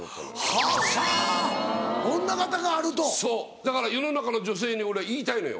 だから世の中の女性に俺は言いたいのよ。